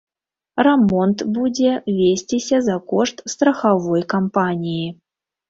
Рамонт будзе весціся за кошт страхавой кампаніі.